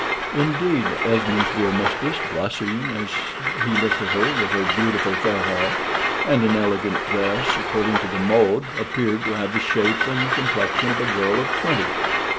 Indeed, Esmond's dear mistress, blushing as he looked at her, with her beautiful fair hair, and an elegant dress according to the mode, appeared to have the shape and complexion of a girl of twenty.